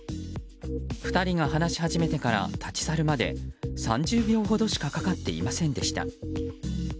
２人が話し始めてから立ち去るまで３０秒ほどしかかかっていませんでした。